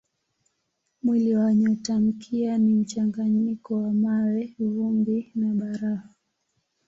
Mwili wa nyotamkia ni mchanganyiko wa mawe, vumbi na barafu.